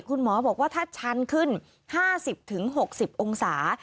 คุณหมอบอกว่าถ้าชันขึ้น๕๐๖๐องศา